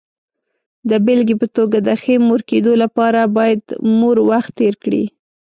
د بېلګې په توګه، د ښې مور کېدو لپاره باید مور وخت تېر کړي.